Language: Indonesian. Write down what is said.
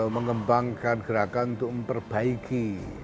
mengembangkan gerakan untuk memperbaiki